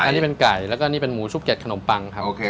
อันนี้เป็นไก่แล้วก็นี่เป็นหมูชุบเด็ดขนมปังครับโอเค